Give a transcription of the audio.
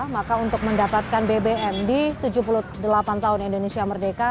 maka untuk mendapatkan bbm di tujuh puluh delapan tahun indonesia merdeka